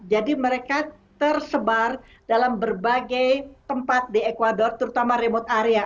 jadi mereka tersebar dalam berbagai tempat di ecuador terutama remote area